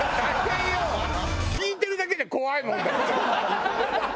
聞いてるだけで怖いもんだって。